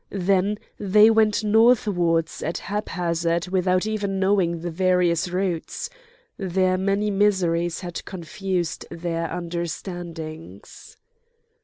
Then they went northwards at haphazard without even knowing the various routes. Their many miseries had confused their understandings.